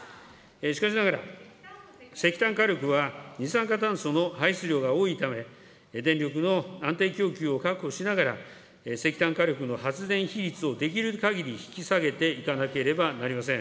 しかしながら、石炭火力は二酸化炭素の排出量が多いため、電力の安定供給を確保しながら、石炭火力の発電比率をできるかぎり引き下げていかなければなりません。